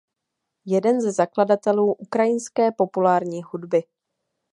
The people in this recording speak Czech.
Jeden ze zakladatelů ukrajinské populární hudby.